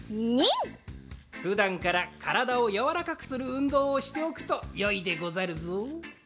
ニン！ふだんからからだをやわらかくするうんどうをしておくとよいでござるぞ。